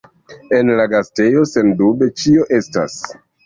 En la gastejo, sendube, ĉio estas.